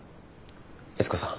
悦子さん。